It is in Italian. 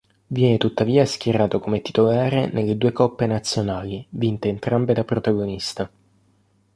Viene tuttavia schierato come titolare nelle due coppe nazionali, vinte entrambe da protagonista.